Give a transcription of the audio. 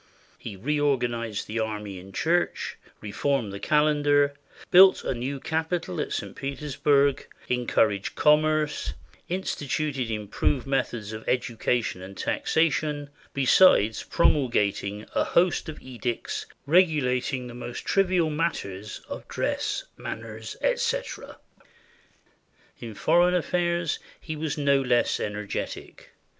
He reorganized the army and church, reformed the calendar, built a new capitol at St. Petersburg, encouraged commerce, instituted improved methods of education and taxation, besides promulgating a host of edicts regulating the most trivial matters of dress, manners, etc. In foreign affairs he was no less energetic.